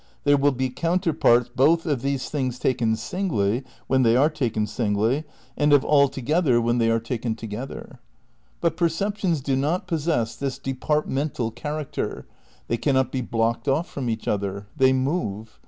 There will be counterparts both of these things taken singly, when they are taken singly, and of all together when they are 80 THE NEW IDEALISM m taken together. But perceptions do not possess this departmental character, they cannot be blocked off from each other. They move.